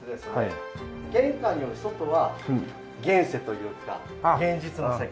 玄関より外は現世というか現実の世界。